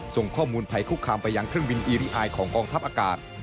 ส่งข้อมูลภัยคุกคามไปยังเครื่องบินอีรีอายของกองทัพอากาศ